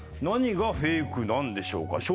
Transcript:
何がフェイクなんでしょうか。